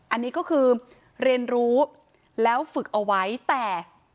อันนี้ก็คือเรียนรู้แล้วฝึกเอาไว้แต่